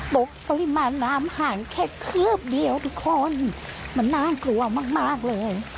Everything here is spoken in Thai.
ปริมาณน้ำห่างแค่คืบเดียวทุกคนมันน่ากลัวมากมากเลย